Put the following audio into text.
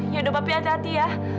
yaudah papi hati hati ya